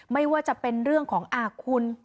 ไม่ว่าจะเป็นเรื่องของอาคุณ